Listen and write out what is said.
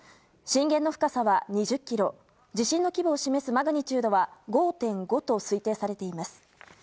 震源の深さは２０ｋｍ地震の規模を示すマグニチュードは５．５と推定されています。